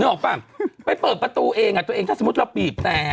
ออกป่ะไปเปิดประตูเองตัวเองถ้าสมมุติเราบีบแต่